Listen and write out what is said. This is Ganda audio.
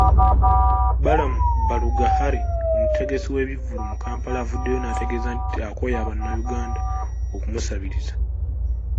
Balam Barugahare, omutegesi w'ebivvulu mu Kampala avuddeyo n'ategeeza nti akooye Bannayuganda okumusabiriza.